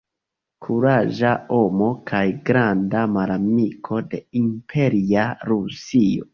Kuraĝa homo kaj granda malamiko de imperia Rusio.